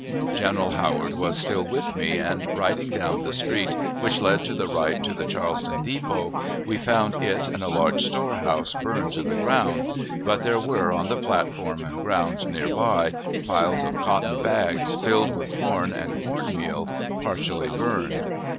General Howard was still with me, and, riding down the street which led by the right to the Charleston depot, we found it and a large storehouse burned to the ground, but there were, on the platform and ground near by, piles of cotton bags filled with corn and corn meal, partially burned.